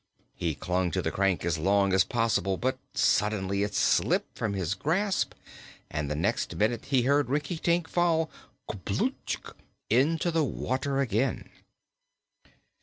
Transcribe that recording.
He clung to the crank as long as possible, but suddenly it slipped from his grasp and the next minute he heard Rinkitink fall "plump!" into the water again.